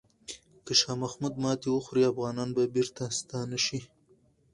که شاه محمود ماتې وخوري، افغانان به بیرته ستون شي.